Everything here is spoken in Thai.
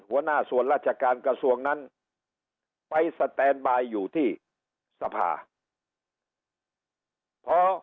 หัวหน้าส่วนราชการกระทรวงนั้นไปสแตนบายอยู่ที่สภา